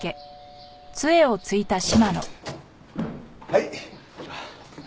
はい。